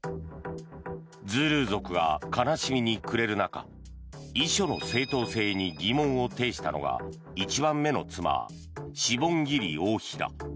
ズールー族が悲しみに暮れる中遺書の正当性に疑問を呈したのが１番目の妻、シボンギリ王妃だ。